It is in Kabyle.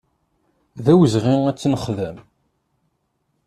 D awezɣi ad tt-nexdem.